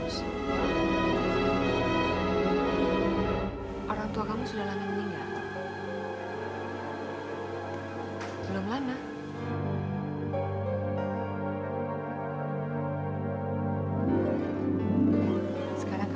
semoga kamu akan kembali sampai ke dunia